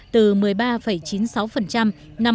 từ một mươi ba chín mươi sáu năm hai nghìn một mươi